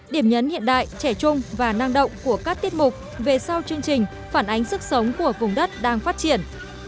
điểm nhấn hiện đại trẻ trung và năng động của các tiết mục về sau chương trình phản ánh sức sống của vùng đất đang phát triển